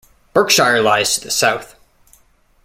Berkshire lies to the south.